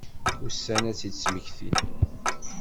Ussan ad tt-id-smektin.